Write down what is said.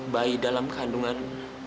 bayi dalam kandungan